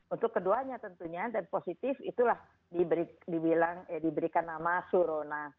untuk keduanya tentunya dan positif itulah diberikan nama flurona